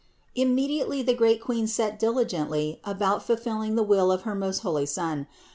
686. Immediately the great Queen set diligently about fulfilling the will of her most holy Son.